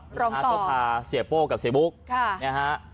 สตาเสียโบ้และเสียบุ๊กกันนะครับ